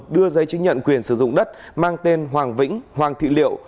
đưa giấy chứng nhận quyền sử dụng đất mang tên hoàng vĩnh hoàng thị liệu